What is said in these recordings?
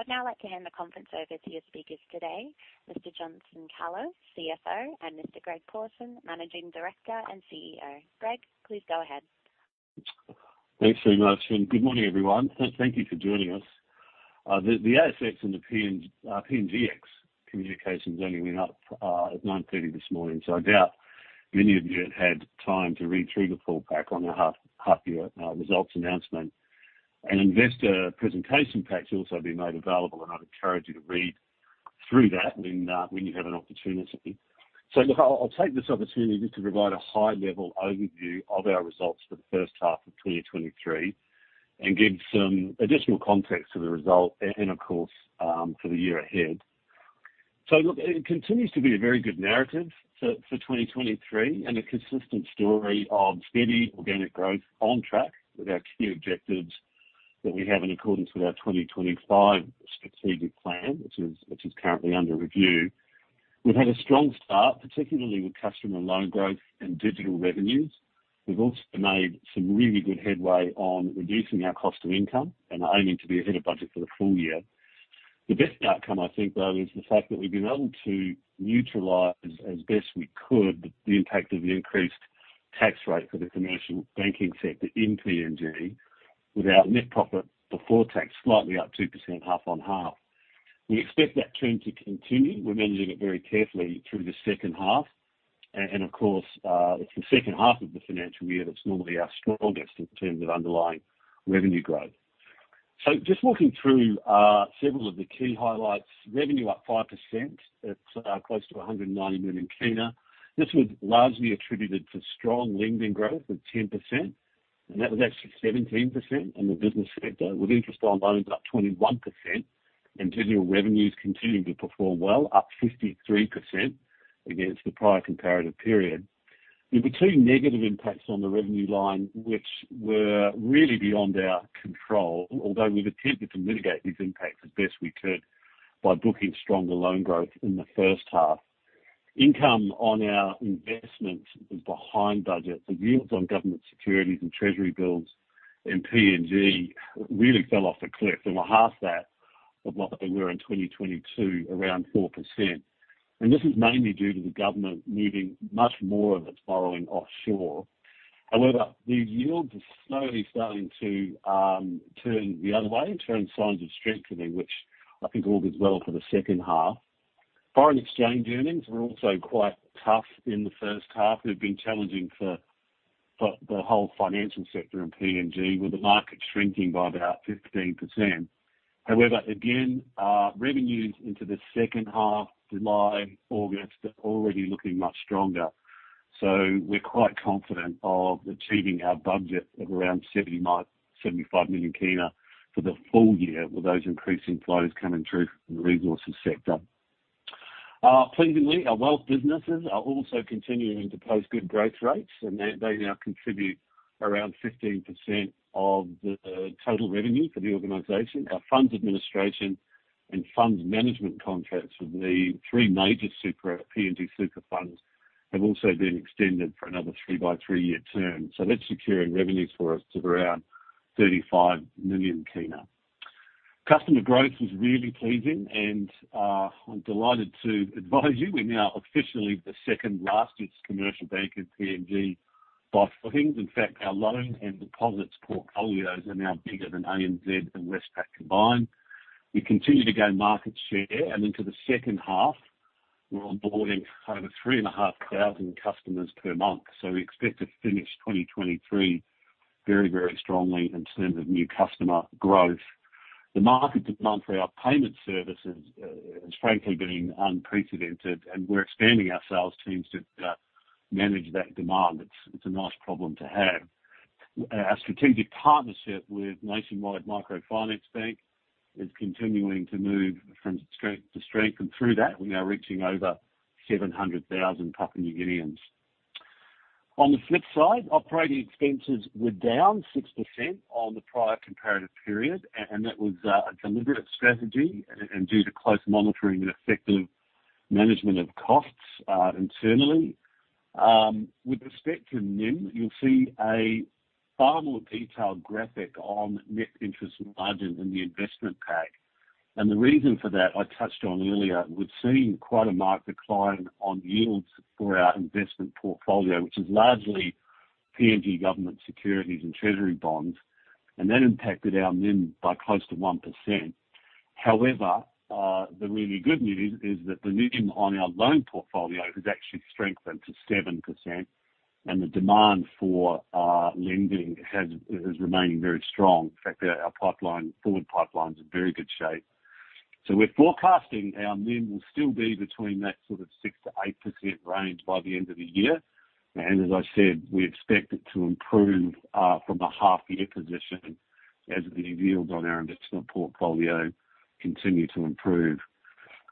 I'd now like to hand the conference over to your speakers today, Mr. Johnson Kalo, CFO, and Mr. Greg Pawson, Managing Director and CEO. Greg, please go ahead. Thanks very much, and good morning, everyone. Thank you for joining us. The ASX and the PNGX communications only went up at 9:30 A.M. this morning, so I doubt many of you have had time to read through the call back on the half year results announcement. An investor presentation pack has also been made available, and I'd encourage you to read through that when you have an opportunity. So look, I'll take this opportunity just to provide a high-level overview of our results for the first half of 2023 and give some additional context to the result and, of course, for the year ahead. So look, it continues to be a very good narrative for 2023 and a consistent story of steady organic growth on track with our key objectives that we have in accordance with our 2025 strategic plan, which is currently under review. We've had a strong start, particularly with customer loan growth and digital revenues. We've also made some really good headway on reducing our cost of income and are aiming to be ahead of budget for the full year. The best outcome, I think, though, is the fact that we've been able to neutralize as best we could the impact of the increased tax rate for the commercial banking sector in PNG, with our net profit before tax slightly up 2%, half-on-half. We expect that trend to continue. We're managing it very carefully through the second half, and, and of course, it's the second half of the financial year that's normally our strongest in terms of underlying revenue growth. So just walking through several of the key highlights, revenue up 5%. That's close to PGK 190 million. This was largely attributed to strong lending growth of 10%, and that was actually 17% in the business sector, with interest on loans up 21% and digital revenues continuing to perform well, up 53% against the prior comparative period. We've seen negative impacts on the revenue line, which were really beyond our control, although we've attempted to mitigate these impacts as best we could by booking stronger loan growth in the first half. Income on our investments was behind budget. The yields on government securities and treasury bills in PNG really fell off a cliff and were half that of what they were in 2022, around 4%. This is mainly due to the government moving much more of its borrowing offshore. However, the yields are slowly starting to turn the other way and showing signs of strengthening, which I think all is well for the second half. Foreign exchange earnings were also quite tough in the first half and have been challenging for, for the whole financial sector in PNG, with the market shrinking by about 15%. However, again, revenues into the second half, July, August, are already looking much stronger. So we're quite confident of achieving our budget of around PGK 79.75 million for the full year, with those increasing flows coming through from the resources sector. Pleasingly, our wealth businesses are also continuing to post good growth rates, and they now contribute around 15% of the total revenue for the organization. Our funds administration and funds management contracts with the three major super PNG super funds have also been extended for another three by three-year term. So that's securing revenues for us to around PGK 35 million. Customer growth was really pleasing, and I'm delighted to advise you we're now officially the second largest commercial bank in PNG by footings. In fact, our loan and deposits portfolios are now bigger than ANZ and Westpac combined. We continue to gain market share, and into the second half, we're onboarding over 3,500 customers per month. So we expect to finish 2023 very, very strongly in terms of new customer growth. The market demand for our payment services has frankly been unprecedented, and we're expanding our sales teams to manage that demand. It's, it's a nice problem to have. Our strategic partnership with Nationwide Microfinance Bank is continuing to move from strength to strength, and through that, we are reaching over 700,000 Papua New Guineans. On the flip side, operating expenses were down 6% on the prior comparative period, and that was a deliberate strategy and due to close monitoring and effective management of costs internally. With respect to NIM, you'll see a far more detailed graphic on net interest margin in the investment pack. The reason for that I touched on earlier, we've seen quite a marked decline on yields for our investment portfolio, which is largely PNG government securities and treasury bonds, and that impacted our NIM by close to 1%. However, the really good news is that the NIM on our loan portfolio has actually strengthened to 7%, and the demand for lending has remained very strong. In fact, our pipeline, forward pipeline is in very good shape. So we're forecasting our NIM will still be between that sort of 6%-8% range by the end of the year. And as I said, we expect it to improve from a half year position as the yields on our investment portfolio continue to improve.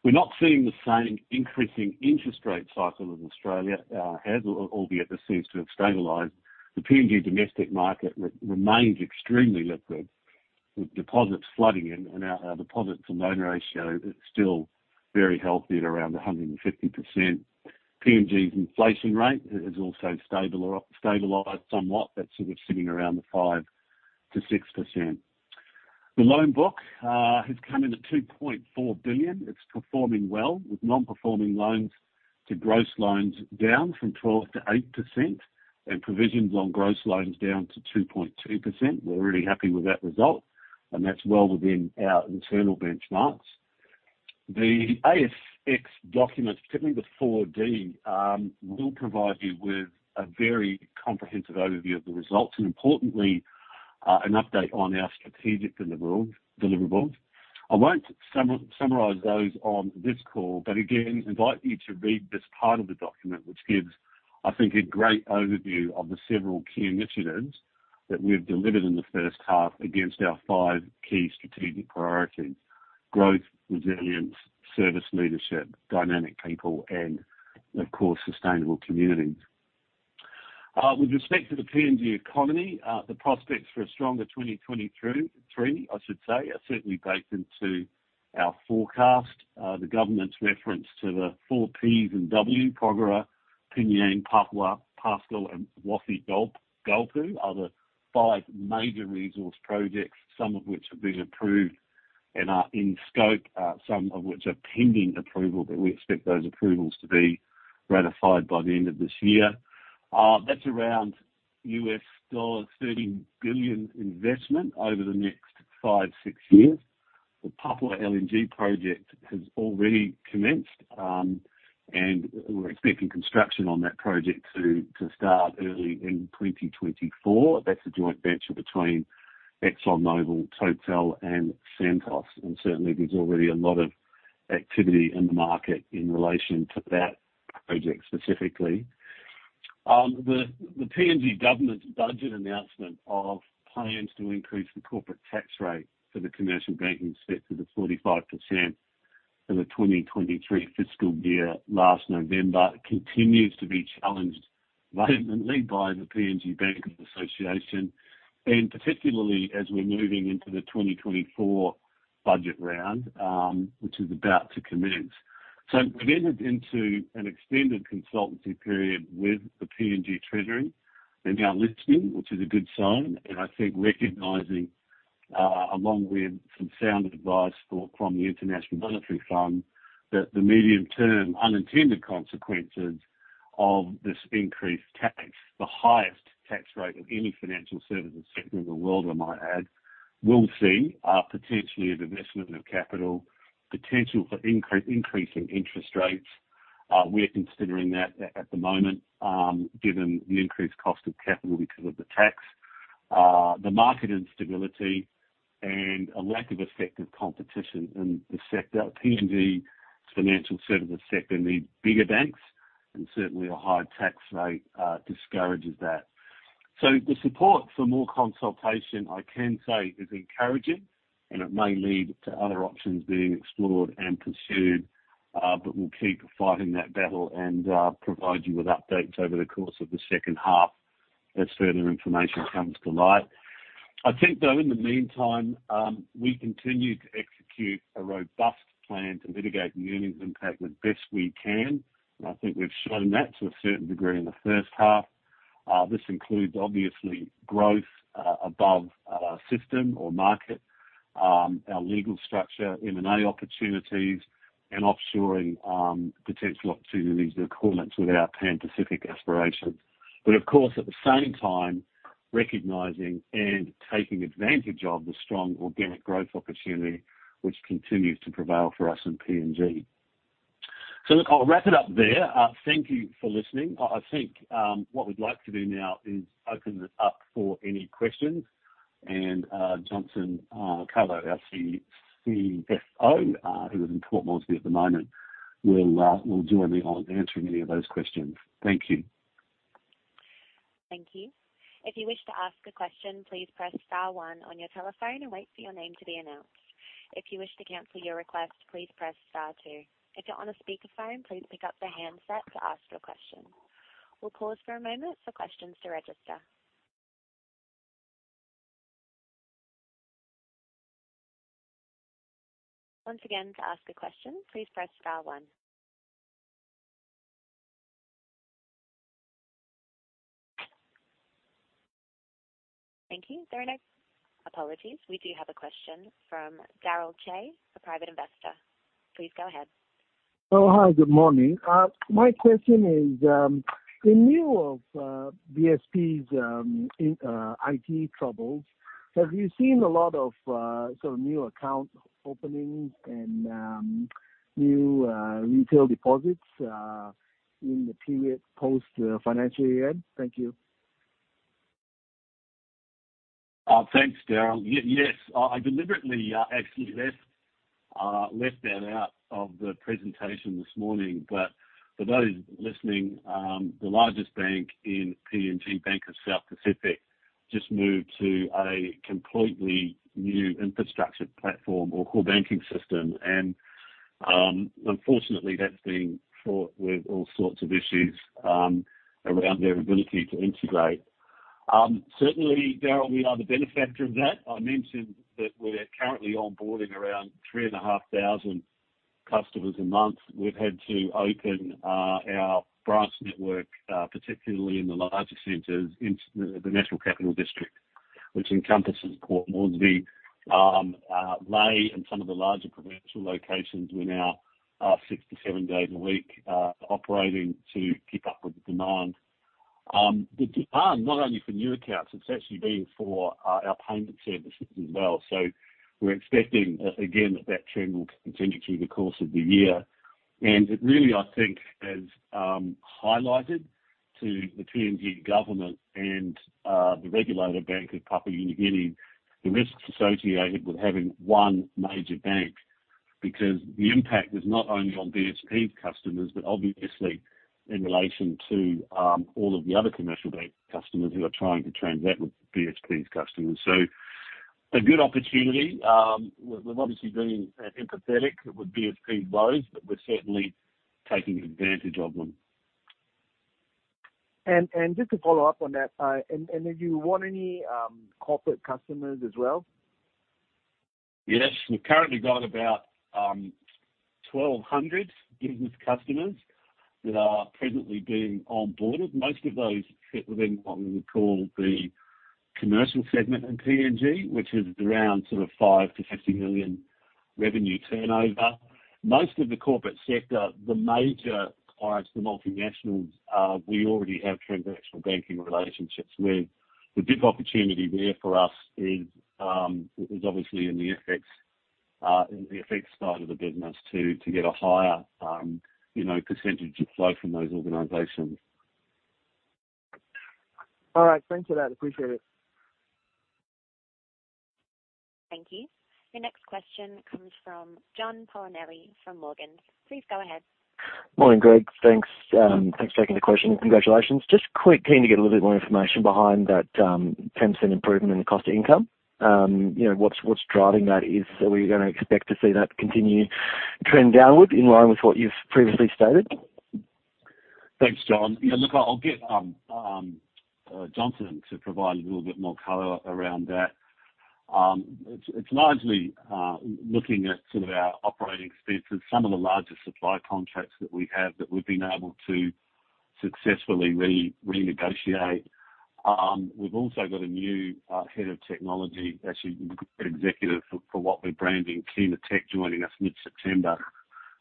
We're not seeing the same increasing interest rate cycle as Australia has, albeit this seems to have stabilized. The PNG domestic market remains extremely liquid, with deposits flooding in, and our deposits to loan ratio is still very healthy at around 150%.... PNG's inflation rate has also stabilized somewhat. That's sort of sitting around the 5%-6%. The loan book has come in at PGK 2.4 billion. It's performing well, with non-performing loans to gross loans down from 12%-8% and provisions on gross loans down to 2.2%. We're really happy with that result, and that's well within our internal benchmarks. The ASX document, particularly the 4D, will provide you with a very comprehensive overview of the results and importantly, an update on our strategic deliverables. I won't summarize those on this call, but again, invite you to read this part of the document, which gives, I think, a great overview of the several key initiatives that we've delivered in the first half against our five key strategic priorities: growth, resilience, service leadership, dynamic people and, of course, sustainable communities. With respect to the PNG economy, the prospects for a stronger 2023, I should say, are certainly baked into our forecast. The government's reference to the 4Ps and W, Porgera, P'nyang, Papua, Pasca, and Wafi-Golpu, are the five major resource projects, some of which have been approved and are in scope, some of which are pending approval, but we expect those approvals to be ratified by the end of this year. That's around $30 billion investment over the next five to six years. The Papua LNG project has already commenced, and we're expecting construction on that project to start early in 2024. That's a joint venture between ExxonMobil, Total, and Santos, and certainly there's already a lot of activity in the market in relation to that project specifically. The PNG government's budget announcement of plans to increase the corporate tax rate for the commercial banking sector to 45% for the 2023 fiscal year, last November, continues to be challenged vehemently by the PNG Banking Association, and particularly as we're moving into the 2024 budget round, which is about to commence. So we've entered into an extended consultancy period with the PNG Treasury. They're now listening, which is a good sign, and I think recognizing, along with some sound advice from the International Monetary Fund, that the medium-term unintended consequences of this increased tax, the highest tax rate of any financial services sector in the world, I might add, will see, potentially the investment of capital, potential for increase in interest rates. We're considering that at the moment, given the increased cost of capital because of the tax, the market instability and a lack of effective competition in the sector. PNG financial services sector need bigger banks, and certainly a high tax rate discourages that. So the support for more consultation, I can say, is encouraging, and it may lead to other options being explored and pursued. But we'll keep fighting that battle and provide you with updates over the course of the second half as further information comes to light. I think, though, in the meantime, we continue to execute a robust plan to mitigate the earnings impact the best we can. And I think we've shown that to a certain degree in the first half. This includes, obviously, growth above system or market, our legal structure, M&A opportunities, and offshoring potential opportunities in accordance with our Pan Pacific aspirations. But of course, at the same time, recognizing and taking advantage of the strong organic growth opportunity which continues to prevail for us in PNG. So look, I'll wrap it up there. Thank you for listening. I, I think, what we'd like to do now is open this up for any questions. Johnson Kalo, our CFO, who is in Port Moresby at the moment, will join me on answering any of those questions. Thank you. Thank you. If you wish to ask a question, please press star one on your telephone and wait for your name to be announced. If you wish to cancel your request, please press star two. If you're on a speakerphone, please pick up the handset to ask your question. We'll pause for a moment for questions to register. Once again, to ask a question, please press star one. Thank you. Our next... Apologies. We do have a question from Daryl Chia, a private investor. Please go ahead. Oh, hi, good morning. My question is, in lieu of BSP's IT troubles, have you seen a lot of sort of new account openings and new retail deposits in the period post financial year? Thank you. Thanks, Daryl. Yes, I deliberately actually left that out of the presentation this morning. But for those listening, the largest bank in PNG, Bank of South Pacific, just moved to a completely new infrastructure platform or Core Banking System, and unfortunately, that's been fraught with all sorts of issues around their ability to integrate... Certainly, Daryl, we are the benefactor of that. I mentioned that we're currently onboarding around 3,500 customers a month. We've had to open our branch network particularly in the larger centers in the National Capital District, which encompasses Port Moresby, Lae, and some of the larger provincial locations. We're now 6-7 days a week operating to keep up with demand. The demand not only for new accounts, it's actually been for, our payment services as well. So we're expecting, again, that that trend will continue through the course of the year. And it really, I think, has, highlighted to the PNG government and, the regulator, Bank of Papua New Guinea, the risks associated with having one major bank. Because the impact is not only on BSP's customers, but obviously in relation to, all of the other commercial bank customers who are trying to transact with BSP's customers. So a good opportunity. We're, we're obviously being empathetic with BSP woes, but we're certainly taking advantage of them. And just to follow up on that, and have you won any corporate customers as well? Yes. We've currently got about 1,200 business customers that are presently being onboarded. Most of those fit within what we would call the commercial segment in PNG, which is around sort of PGK 5 million-PGK 50 million revenue turnover. Most of the corporate sector, the major clients, the multinationals, we already have transactional banking relationships with. The big opportunity there for us is obviously in the FX in the FX side of the business to to get a higher you know percentage of flow from those organizations. All right, thanks for that. Appreciate it. Thank you. The next question comes from John Poli from Morgans. Please go ahead. Morning, Greg. Thanks. Thanks for taking the question, and congratulations. Just quick, keen to get a little bit more information behind that, 10% improvement in the cost of income. You know, what's driving that? Are we gonna expect to see that continue trend downward in line with what you've previously stated? Thanks, John. Yeah, look, I'll get Johnson to provide a little bit more color around that. It's largely looking at sort of our operating expenses, some of the larger supply contracts that we have, that we've been able to successfully renegotiate. We've also got a new head of technology, actually executive for what we're branding Kina Tech, joining us mid-September,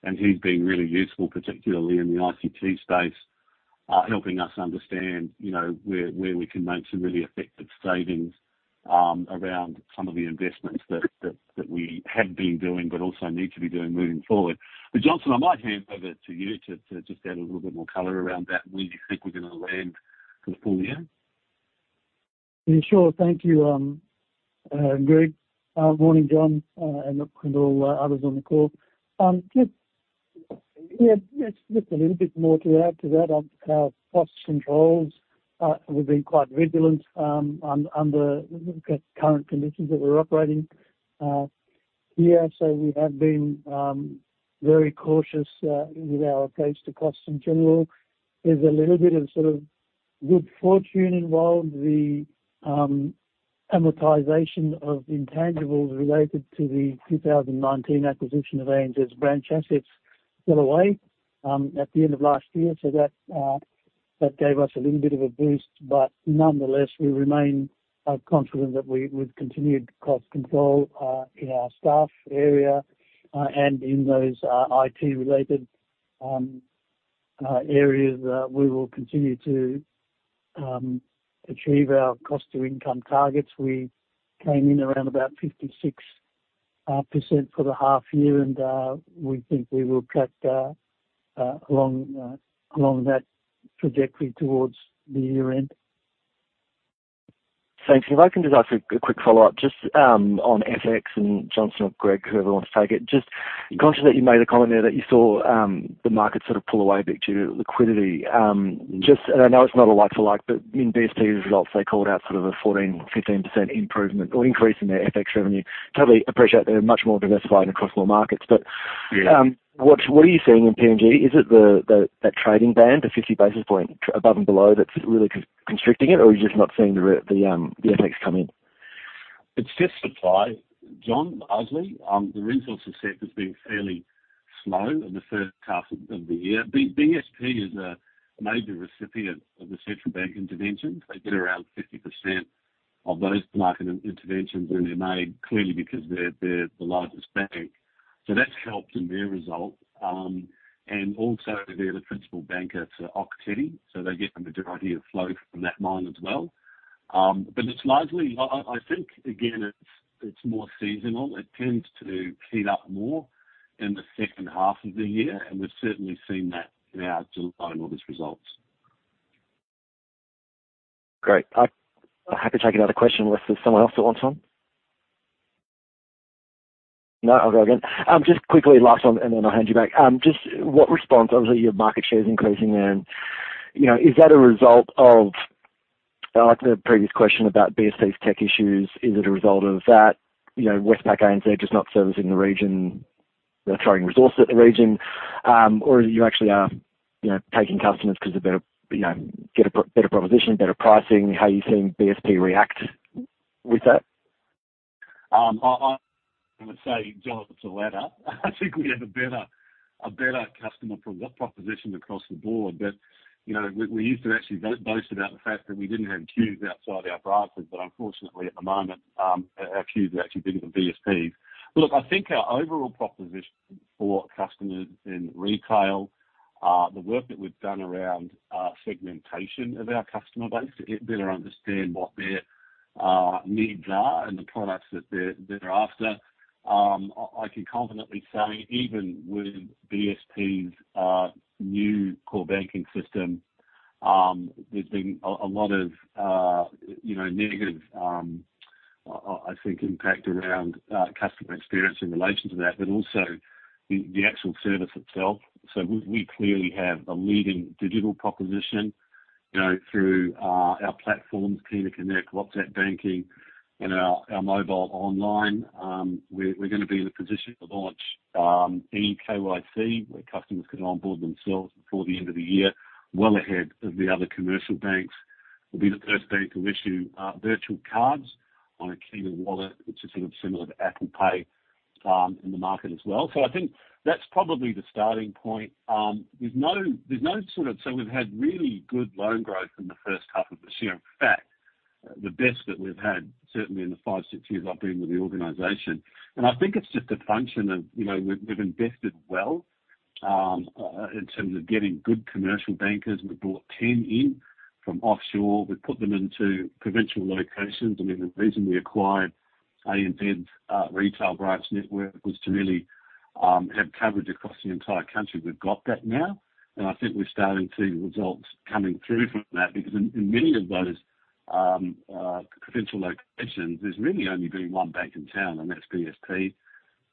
and he's been really useful, particularly in the ICT space, helping us understand, you know, where we can make some really effective savings around some of the investments that we have been doing, but also need to be doing moving forward. But Johnson, I might hand over to you to just add a little bit more color around that and where you think we're going to land for the full year. Yeah, sure. Thank you, Greg. Morning, John, and all others on the call. Just, yeah, just a little bit more to add to that. Cost controls, we've been quite vigilant under the current conditions that we're operating. Yeah, so we have been very cautious with our approach to costs in general. There's a little bit of sort of good fortune involved. The amortization of intangibles related to the 2019 acquisition of ANZ's branch assets fell away at the end of last year. So that gave us a little bit of a boost. But nonetheless, we remain confident that we with continued cost control in our staff area and in those IT related areas we will continue to achieve our cost to income targets. We came in around about 56% for the half year, and we think we will track along that trajectory towards the year end. Thanks. If I can just ask a quick follow-up, just on FX and Johnson or Greg, whoever wants to take it. Just conscious that you made a comment there, that you saw the market sort of pull away a bit due to liquidity. Just, and I know it's not a like for like, but in BSP's results, they called out sort of a 14%-15% improvement or increase in their FX revenue. Totally appreciate they're much more diversified across more markets, but- Yeah. What are you seeing in PNG? Is it the trading band, the 50 basis point above and below, that's really constricting it, or are you just not seeing the FX come in? It's just supply, John, largely. The resources sector has been fairly slow in the first half of the year. BSP is a major recipient of the central bank interventions. They get around 50% of those market interventions, and they're made clearly because they're the largest bank. So that's helped in their result. And also they're the principal banker to Ok Tedi, so they get the majority of flow from that mine as well. But it's largely... I think, again, it's more seasonal. It tends to heat up more in the second half of the year, and we've certainly seen that in our July and August results. Great. I'd be happy to take another question, unless there's someone else that wants one? No, I'll go again. Just quickly, last one, and then I'll hand you back. Just what response, obviously, your market share is increasing and, you know, is that a result of, like the previous question about BSP's tech issues, is it a result of that? You know, Westpac, ANZ, just not servicing the region?... the trading resource at the region, or is it you actually are, you know, taking customers because they're better, you know, get a better proposition, better pricing? How are you seeing BSP react with that? I would say, John, it's the latter. I think we have a better customer proposition across the board. But, you know, we used to actually boast about the fact that we didn't have queues outside our branches, but unfortunately, at the moment, our queues are actually bigger than BSP's. Look, I think our overall proposition for customers in retail, the work that we've done around segmentation of our customer base to better understand what their needs are and the products that they're after. I can confidently say, even with BSP's new core banking system, there's been a lot of, you know, negative, I think, impact around customer experience in relation to that, but also the actual service itself. So we clearly have a leading digital proposition, you know, through our platforms, Kina Connect, WhatsApp Banking, and our mobile online. We're gonna be in a position to launch eKYC, where customers can onboard themselves before the end of the year, well ahead of the other commercial banks. We'll be the first bank to issue virtual cards on a Kina Wallet, which is sort of similar to Apple Pay, in the market as well. So I think that's probably the starting point. There's no sort of... So we've had really good loan growth in the first half of this year. In fact, the best that we've had, certainly in the 5, 6 years I've been with the organization. I think it's just a function of, you know, we've invested well in terms of getting good commercial bankers. We brought 10 in from offshore. We've put them into provincial locations, and then the reason we acquired ANZ retail branch network was to really have coverage across the entire country. We've got that now, and I think we're starting to see results coming through from that because in many of those provincial locations, there's really only been one bank in town, and that's BSP.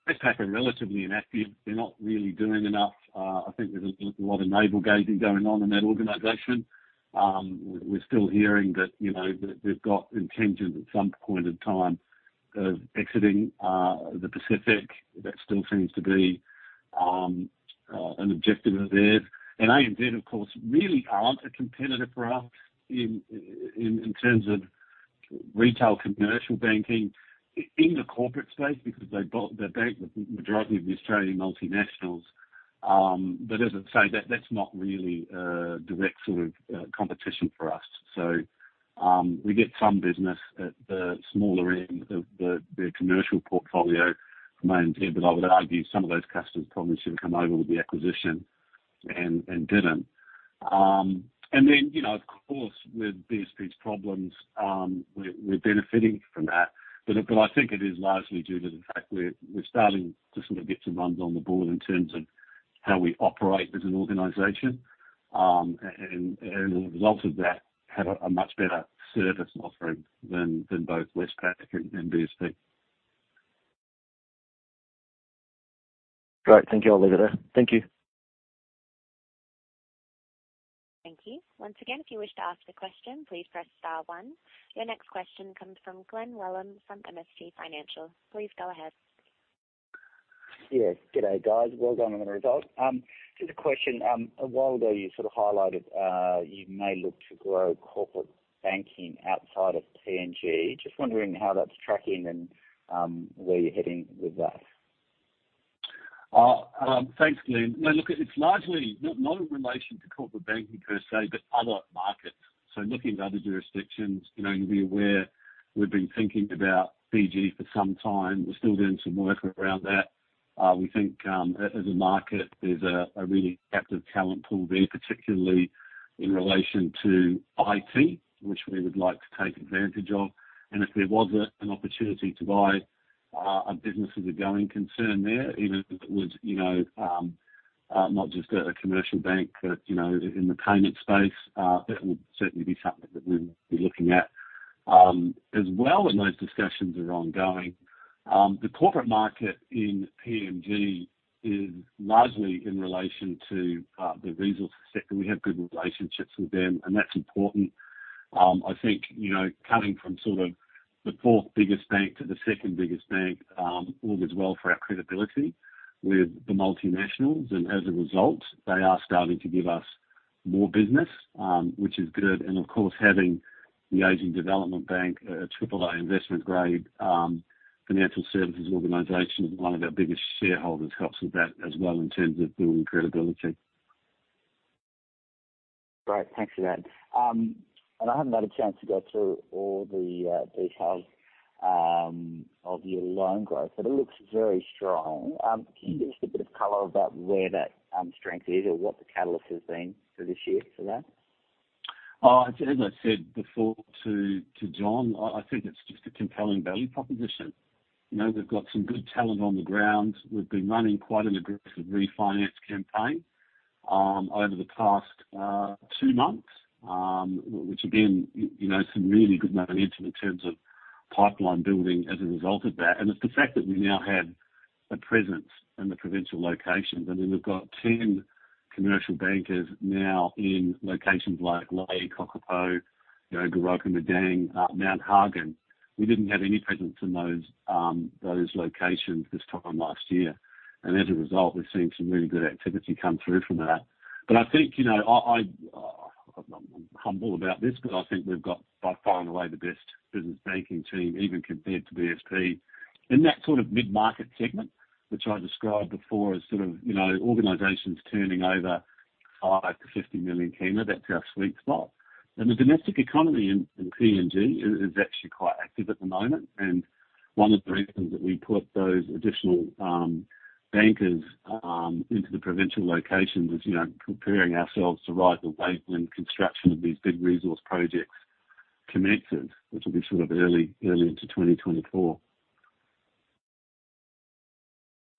Westpac are relatively inactive. They're not really doing enough. I think there's a lot of navel gazing going on in that organization. We're still hearing that, you know, that they've got intentions at some point in time of exiting the Pacific. That still seems to be an objective of theirs. And ANZ, of course, really aren't a competitor for us in terms of retail commercial banking in the corporate space because they bought, they bank the majority of the Australian multinationals. But as I say, that's not really a direct sort of competition for us. So, we get some business at the smaller end of the commercial portfolio from ANZ, but I would argue some of those customers probably should have come over with the acquisition and didn't. And then, you know, of course, with BSP's problems, we're benefiting from that. But I think it is largely due to the fact we're starting to sort of get some runs on the board in terms of how we operate as an organization. And as a result of that, have a much better service offering than both Westpac and BSP. Great. Thank you. I'll leave it there. Thank you. Thank you. Once again, if you wish to ask a question, please press star one. Your next question comes from Glen Wellham from MST Financial. Please go ahead. Yes, good day, guys. Well done on the result. Just a question. A while ago, you sort of highlighted you may look to grow corporate banking outside of PNG. Just wondering how that's tracking and where you're heading with that? Thanks, Glen. No, look, it's largely, not, not in relation to corporate banking per se, but other markets, so looking at other jurisdictions. You know, you'll be aware we've been thinking about Fiji for some time. We're still doing some work around that. We think, as a market, there's a really captive talent pool there, particularly in relation to IT, which we would like to take advantage of. And if there was an opportunity to buy a business as a going concern there, even if it was, you know, not just a commercial bank, but, you know, in the payment space, that would certainly be something that we'd be looking at. As well, and those discussions are ongoing. The corporate market in PNG is largely in relation to the resource sector. We have good relationships with them, and that's important. I think, you know, coming from sort of the fourth biggest bank to the second biggest bank, all is well for our credibility with the multinationals, and as a result, they are starting to give us more business, which is good. Of course, having the Asian Development Bank, a triple-A investment grade, financial services organization, one of our biggest shareholders, helps with that as well in terms of building credibility. Great, thanks for that. I haven't had a chance to go through all the details of your loan growth, but it looks very strong. Can you give us a bit of color about where that strength is or what the catalyst has been for this year for that? Oh, as I said before to John, I think it's just a compelling value proposition. You know, we've got some good talent on the ground. We've been running quite an aggressive refinance campaign over the past two months, which again, you know, some really good momentum in terms of pipeline building as a result of that. And it's the fact that we now have a presence in the provincial locations. I mean, we've got 10 commercial bankers now in locations like Lae, Kokopo, you know, Goroka, Madang, Mount Hagen. We didn't have any presence in those locations this time last year, and as a result, we're seeing some really good activity come through from that. But I think, you know, I'm humble about this, but I think we've got by far and away the best business banking team, even compared to BSP. In that sort of mid-market segment, which I described before as sort of, you know, organizations turning over PGK 5 million-PGK 50 million, that's our sweet spot. And the domestic economy in PNG is actually quite active at the moment, and one of the reasons that we put those additional bankers into the provincial locations is, you know, preparing ourselves to ride the wave when construction of these big resource projects commences, which will be sort of early into 2024.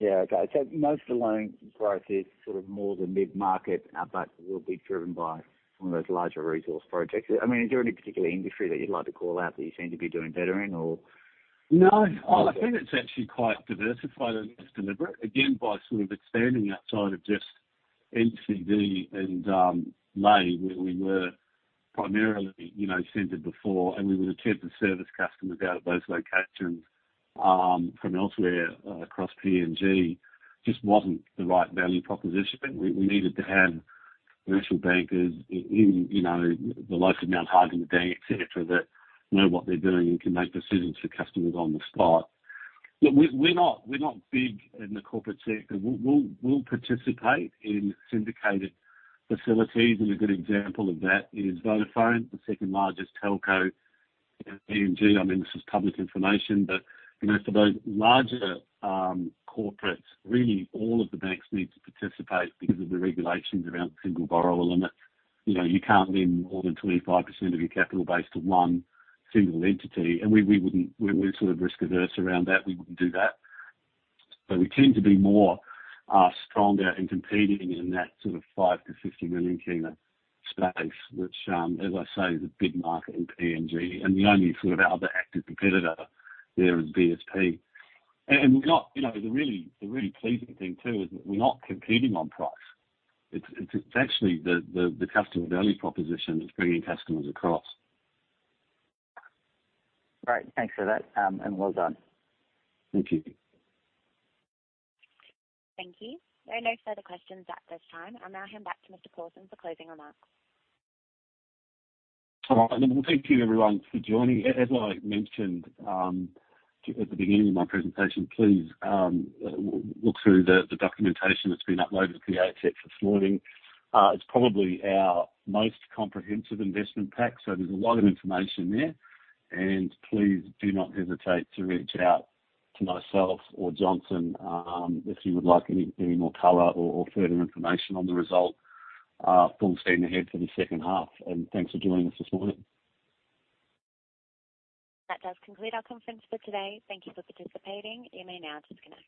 Yeah. Okay. So most of the loan growth is sort of more the mid-market, but will be driven by one of those larger resource projects. I mean, is there any particular industry that you'd like to call out that you seem to be doing better in or? No. I think it's actually quite diversified, and that's deliberate. Again, by sort of expanding outside of just NCD and, Lae, where we were primarily, you know, centered before, and we would attempt to service customers out of those locations, from elsewhere, across PNG. Just wasn't the right value proposition. We needed to have commercial bankers in, you know, the likes of Mount Hagen, Madang, et cetera, that know what they're doing and can make decisions for customers on the spot. Look, we're, we're not, we're not big in the corporate sector. We'll, we'll, we'll participate in syndicated facilities, and a good example of that is Vodafone, the second-largest telco in PNG. I mean, this is public information, but, you know, for those larger, corporates, really, all of the banks need to participate because of the regulations around single borrower limits. You know, you can't lend more than 25% of your capital base to one single entity, and we, we wouldn't—we're, we're sort of risk-averse around that. We wouldn't do that. But we tend to be more stronger in competing in that sort of PGK 5 million-PGK 50 million space, which, as I say, is a big market in PNG, and the only sort of our other active competitor there is BSP. And, and we're not, you know, the really, the really pleasing thing, too, is that we're not competing on price. It's, it's actually the, the, the customer value proposition that's bringing customers across. Great. Thanks for that, and well done. Thank you. Thank you. There are no further questions at this time. I'll now hand back to Mr. Pawson for closing remarks. All right. Well, thank you everyone for joining. As I mentioned at the beginning of my presentation, please look through the documentation that's been uploaded to the ASX this morning. It's probably our most comprehensive investment pack, so there's a lot of information there, and please do not hesitate to reach out to myself or Johnson if you would like any more color or further information on the result. Full steam ahead for the second half, and thanks for joining us this morning. That does conclude our conference for today. Thank you for participating. You may now disconnect.